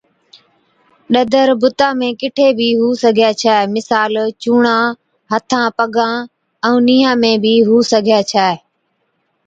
ڏَدر بُتا ۾ ڪِٺي بِي هُو سِگھَي ڇَي مثال، چُونڻا، هٿان پگان ائُون نِيهان ۾ بِي هُو سِگھَي ڇَي